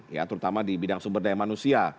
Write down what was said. ya terutama di bidang sumber daya manusia